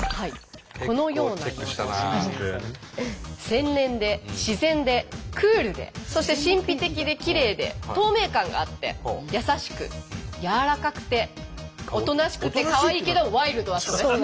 洗練で自然でクールでそして神秘的できれいで透明感があって優しく柔らかくておとなしくてかわいいけどワイルドだそうです。